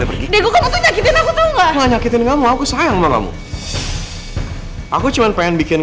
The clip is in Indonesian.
aku tuh nyakitin aku tuh enggak nyakitin kamu semoga sayang malah aku cuman pengen bikin